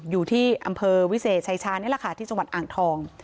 อยู่ที่อำเภอวิเศษชายชาญนี่แหละค่ะที่จังหวัดอ่างทอง